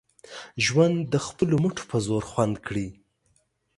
ژوند د خپلو مټو په زور خوند کړي